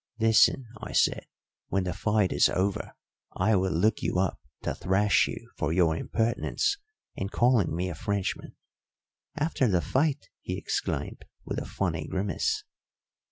"Listen," I said, "when the fight is over, I will look you up to thrash you for your impertinence in calling me a Frenchman." "After the fight!" he exclaimed, with a funny grimace.